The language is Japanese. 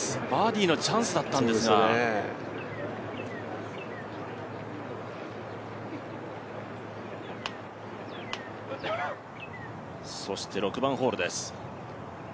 バーディーのチャンスだったんですがそして６番ホールです。